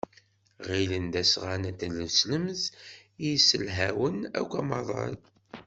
Ɣillen d asɣan n tneslemt i yesselḥawen akk amaḍal.